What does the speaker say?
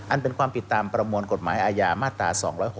อันเป็นความผิดตามประมวลกฎหมายอาญามาตรา๒๖๖